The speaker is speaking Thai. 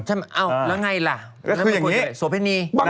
แล้วไงล่ะสวพินี